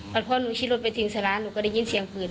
แต่ว่าหนูขี้รถไปถึงใส่ร้านหนูก็ได้ยินเสียงปืน